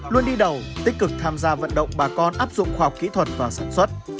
luôn đi đầu tích cực tham gia vận động bà con áp dụng khoa học kỹ thuật và sản xuất